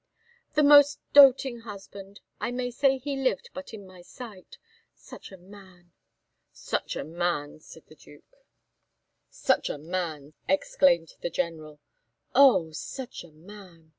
"The most doating husband! I may say he lived but in my sight. Such a man!" "Such a man!" said the Duke. "Such a man!" exclaimed the General. "Oh! such a man!"